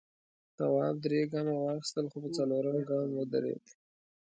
تواب درې گامه واخیستل خو په څلورم گام ودرېد.